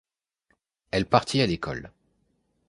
Elle partit à l’école.